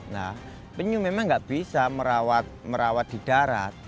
nah penyung memang gak bisa merawat di darat